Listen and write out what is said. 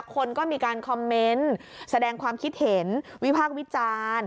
คนก็มีการคอมเมนต์แสดงความคิดเห็นวิพากษ์วิจารณ์